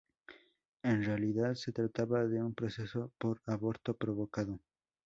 En realidad se trataba de un proceso por aborto provocado.